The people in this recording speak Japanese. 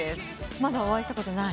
まだお会いしたことない？